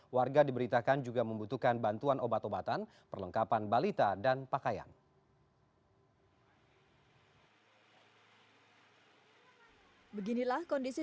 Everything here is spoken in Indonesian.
warga diberitakan juga membutuhkan bantuan obat obatan perlengkapan balita dan pakaian